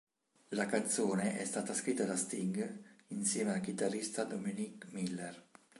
La canzone è stata scritta da Sting insieme al chitarrista Dominic Miller.